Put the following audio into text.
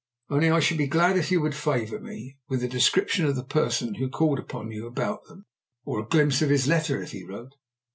"Only I should be glad if you would favour me with a description of the person who called upon you about them or a glimpse of his letter, if he wrote."